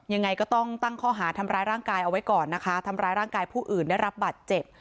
ยังไงก็ต้องตั้งข้อหาทำร้ายร่างกายเอาไว้ก่อนนะคะทำร้ายร่างกายผู้อื่นได้รับบัตรเจ็บ